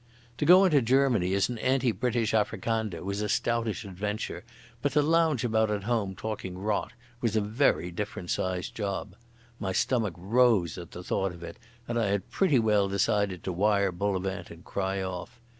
To go into Germany as an anti British Afrikander was a stoutish adventure, but to lounge about at home talking rot was a very different sized job. My stomach rose at the thought of it, and I had pretty well decided to wire to Bullivant and cry off.